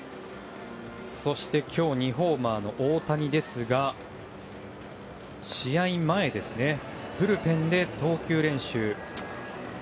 そして、今日２ホーマーの大谷ですが試合前、ブルペンで投球練習。